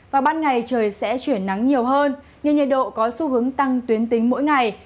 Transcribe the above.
và ban ngày trời sẽ chuyển nắng nhiều hơn nên nhiệt độ có xu hướng tăng tuyến tính mỗi ngày